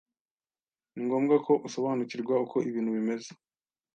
Ni ngombwa ko usobanukirwa uko ibintu bimeze.